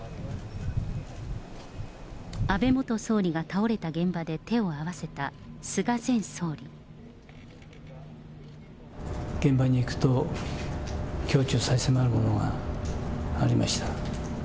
安倍元総理が倒れた現場で手を合わせた、現場に行くと、胸中差し迫るものがありました。